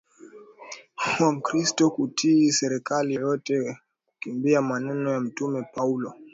wa Mkristo kutii serikali yoyote wakikumbuka maneno ya Mtume Paulo